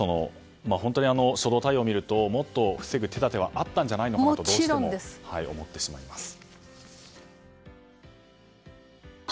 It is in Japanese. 本当に初動対応を見るともっと防ぐ手立てはあったと思ってしまいます。